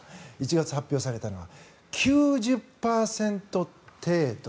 １月に発表されたのは９０％程度。